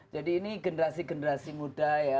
jadi ini generasi generasi muda ya